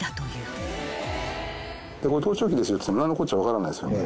これ盗聴器ですよって言っても何のこっちゃ分からないですよね？